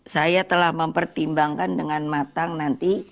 saya telah mempertimbangkan dengan matang nanti